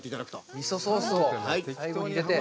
みそソースを、最後に入れて。